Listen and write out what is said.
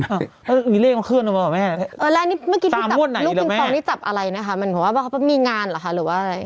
อันนี้ลูกอีสงนี้จับอะไรมันหรือว่ามีงานหรืออะไร